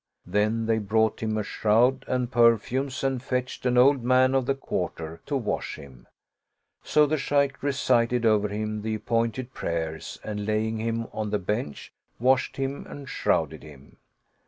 Then they brought him a shroud and perfumes and fetched an old man of the quarter, to wash him; so the Shaykh recited over him the appointed prayers and laying him on the bench, washed him and shrouded him.